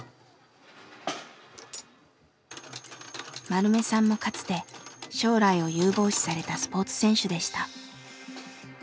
丸目さんもかつて将来を有望視されたスポーツ選手でした。